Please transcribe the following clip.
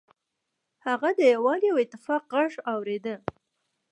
هغه د یووالي او اتفاق غږ اوریده.